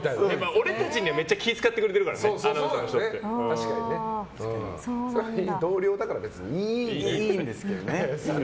俺たちには、めっちゃ気を使ってくれてるから同僚だから別にいいんですけどね。